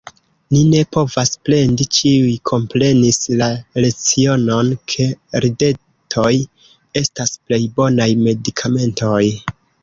Ni ne povas plendi, ĉiuj komprenis la lecionon, ke ridetoj estas plej bonaj medikamentoj.